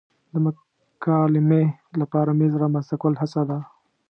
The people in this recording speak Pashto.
د مکالمې لپاره میز رامنځته کول هڅه ده.